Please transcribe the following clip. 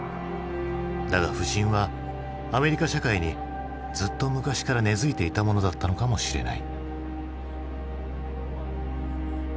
だが不信はアメリカ社会にずっと昔から根づいていたものだったのかもしれない。